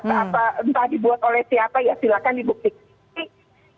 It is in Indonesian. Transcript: entah entah dibuat oleh siapa ya silahkan dibuktikan